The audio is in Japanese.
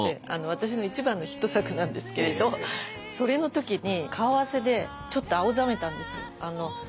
私の一番のヒット作なんですけれどそれの時に顔合わせでちょっと青ざめたんですよ。